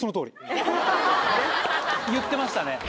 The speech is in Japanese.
はい言ってましたね